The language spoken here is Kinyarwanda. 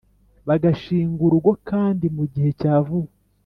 bagashinga urugo kandi mu gihe cya vuba.